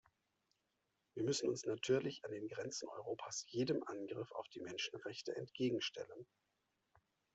Wir müssen uns natürlich an den Grenzen Europas jedem Angriff auf die Menschenrechte entgegenstellen.